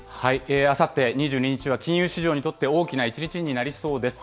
あさって２２日は、金融市場にとって大きな一日になりそうです。